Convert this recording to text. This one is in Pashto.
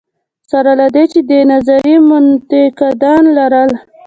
سره له دې چې دې نظریې منتقدان لرل.